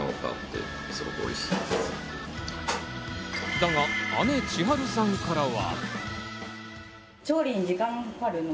だが、姉・千春さんからは。